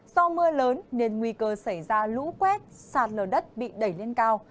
do mưa lớn nên nguy cơ xảy ra lũ quét sạt lở đất bị đẩy lên cao